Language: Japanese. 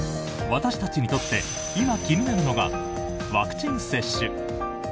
私たちにとって今、気になるのがワクチン接種。